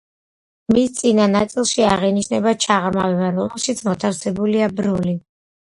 მის წინა ნაწილში აღინიშნება ჩაღრმავება, რომელშიც მოთავსებულია ბროლი.